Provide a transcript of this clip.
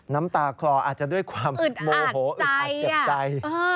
น้ำตาคลออาจจะด้วยความโมโหอึดอัดเจ็บใจ